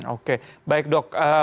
oke baik dok